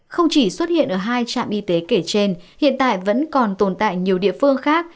không chỉ xuất hiện ở hai trạm y tế kể trên hiện tại vẫn còn tồn tại nhiều địa phương khác